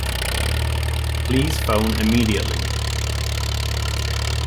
Please phone immediately!